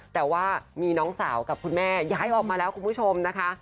แต่ว่ามีน้องสาวกับคุณแม่ย้ายออกมาแล้วคุณผู้ชมนะคะ